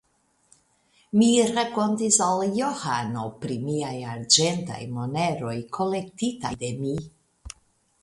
Mi rakontis al Johano pri miaj arĝentaj moneroj kolektitaj de mi.